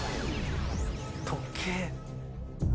時計！